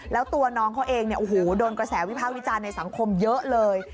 แล้วตัวน้องเขาเองเนี่ยโอ้โหโดนกระแสวิภาควิจารณ์ในสังคมเยอะเลย